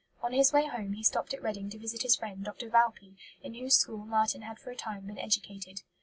On his way home he stopped at Reading to visit his friend Dr. Valpy, in whose school Marten had for a time been educated.